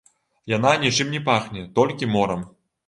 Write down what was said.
Яна нічым не пахне, толькі морам.